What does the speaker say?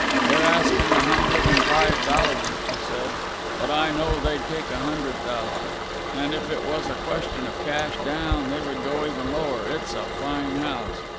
"They're asking a hundred and five thousand," he said, "but I know they'd take a hundred thousand. And, if it was a question of cash down, they would go even lower. It's a fine house.